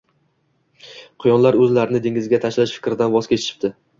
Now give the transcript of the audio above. quyonlar o’zlarini dengizga tashlash fikridan voz kechishibdi